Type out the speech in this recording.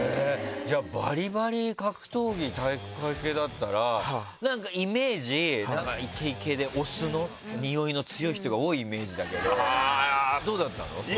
バリバリ格闘技体育会系だったらイメージ、イケイケでオスのにおいの強い人が多いイメージだけどどうだった？